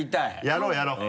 やろうやろう。